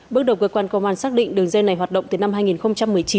bước đầu cơ quan công an xác định đường dây này hoạt động từ năm hai nghìn một mươi chín